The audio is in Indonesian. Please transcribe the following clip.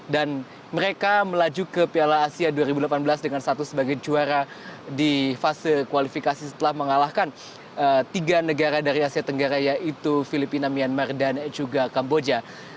dan mereka melaju ke piala asia dua ribu delapan belas dengan satu sebagai juara di fase kualifikasi setelah mengalahkan tiga negara dari asia tenggara yaitu filipina myanmar dan juga kamboja